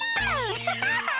アハハハ！